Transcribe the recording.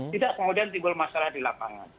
tidak kemudian timbul masalah di lapangan